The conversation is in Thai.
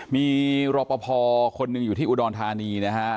มีรอปภคนหนึ่งอยู่ที่อุดรธานีนะฮะ